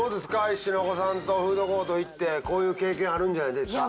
一緒にお子さんとフードコート行ってこういう経験あるんじゃないですか？